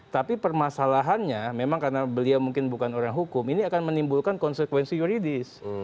tapi permasalahannya memang karena beliau mungkin bukan orang hukum ini akan menimbulkan konsekuensi yuridis